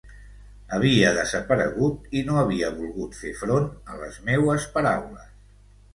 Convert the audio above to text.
Havia desaparegut i no havia volgut fer front a les meues paraules.